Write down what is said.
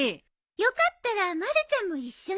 よかったらまるちゃんも一緒に。